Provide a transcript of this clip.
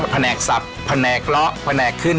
พนักสับพนักล็อพนักขึ้น